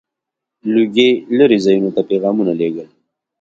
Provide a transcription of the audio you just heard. • لوګی لرې ځایونو ته پيغامونه لیږل.